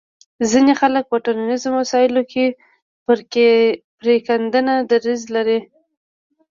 ځینې خلک په ټولنیزو مسایلو کې پرېکنده دریځ لري